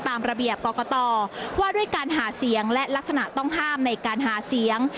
ตามระเบียบกรกตว่าด้วยการหาเสียงและลักษณะต้องห้ามในการหาเสียง